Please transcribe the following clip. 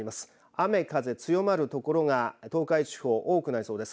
雨風強まるところが東海地方、多くなりそうです。